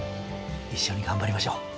一緒に頑張りましょう。